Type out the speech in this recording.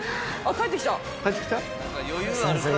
帰ってきた。